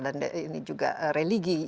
dan ini juga religi